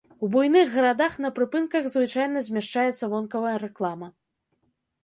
У буйных гарадах на прыпынках звычайна змяшчаецца вонкавая рэклама.